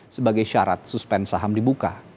sebagai syarat suspen saham dibuka